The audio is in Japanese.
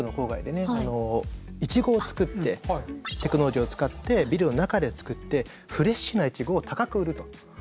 テクノロジーを使ってビルの中で作ってフレッシュなイチゴを高く売るということで。